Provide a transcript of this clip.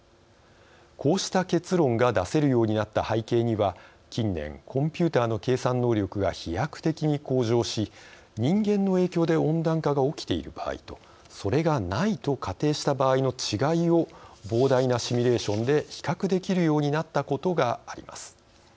こうした結論が出せるようになった背景には近年コンピューターの計算能力が飛躍的に向上し、人間の影響で温暖化が起きている場合とそれがないと仮定した場合の違いを膨大なシミュレーションで比較できるようになったことがあります。